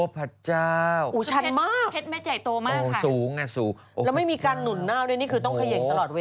เภสแม็ดใหญ่โตมากค่ะแล้วไม่มีกาหยุ่นหน้านี่คือต้องเขย่งตลอด